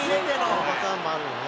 「このパターンもあるのね」